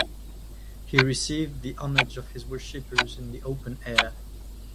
He received the homage of his worshipers in the open air.